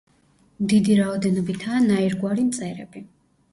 დიდი რაოდენობითაა ნაირგვარი მწერები.